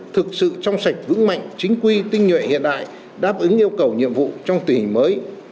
thực sự trong sạch vững mạnh chính quy tinh nhuệ hiện đại đáp ứng yêu cầu nhiệm vụ trong tình hình mới